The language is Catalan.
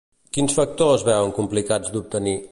Quins factors veuen complicats d'obtenir?